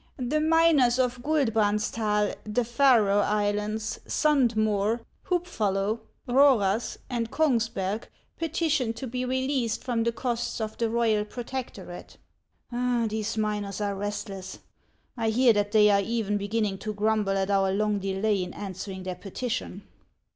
The miners of Guldbrandsdal, the Faroe Islands, Suud Moer, Hubfallo, Eoeraas, and Kongsberg, petition to be released from the costs of the royal protectorate." " These miners are restless. I hear that they are even beginning to grumble at our long delay in answering their petition.